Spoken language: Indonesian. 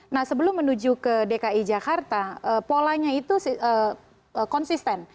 nah sebelum menuju ke dki jakarta polanya itu konsisten